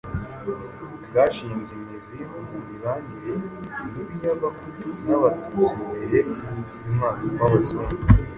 bwashinze imizi mu mibanire mibi y'Abahutu n'Abatutsi mbere y'umwaduko w'Abazungu.